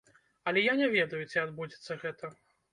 Але я не ведаю, ці адбудзецца гэта.